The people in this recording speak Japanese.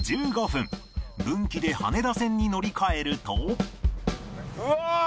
分岐で羽田線に乗り換えると